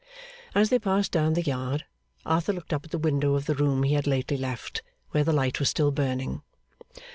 As they passed down the yard, Arthur looked up at the window of the room he had lately left, where the light was still burning.